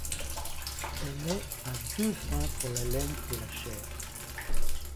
Elle est à deux fins pour la laine et la chair.